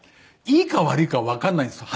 いいか悪いかはわからないんですよ